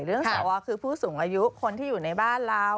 สวคือผู้สูงอายุคนที่อยู่ในบ้านเรา